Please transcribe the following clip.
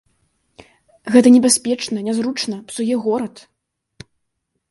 Гэта небяспечна, нязручна, псуе горад.